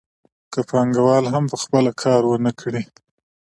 که پانګوال هم په خپله کار ونه کړي